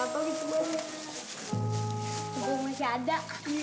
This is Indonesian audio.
cukup masih ada